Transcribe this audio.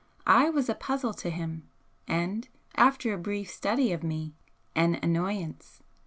I was a puzzle to him, and after a brief study of me an annoyance.